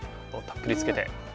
おったっぷりつけて。